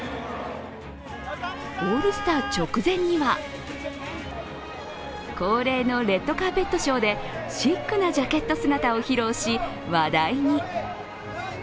オールスター直前には恒例のレッドカーペットショーでシックなジャケット姿を披露し話題に。